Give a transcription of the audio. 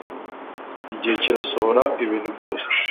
igihe kirasohora ibintu byose